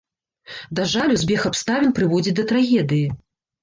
Да жалю, збег абставін прыводзіць да трагедыі.